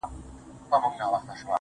شېخ سره وښورېدی زموږ ومخته کم راغی,